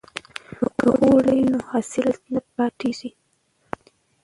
که اوړی وي نو حاصل نه پاتیږي.